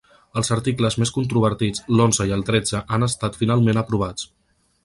Els articles més controvertits, l’onze i el tretze, han estat finalment aprovats.